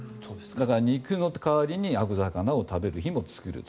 だから肉の代わりに青魚を食べる日も作ると。